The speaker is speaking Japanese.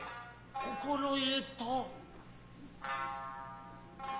心得た。